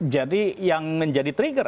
jadi yang menjadi trigger